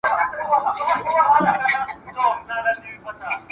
تاسي تل رښتیا وایئ.